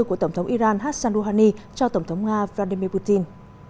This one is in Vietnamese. của tổng thống iran hassan rouhani cho tổng thống nga vladimir putin